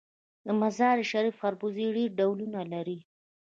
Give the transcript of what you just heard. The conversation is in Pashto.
د مزار شریف خربوزې ډیر ډولونه لري.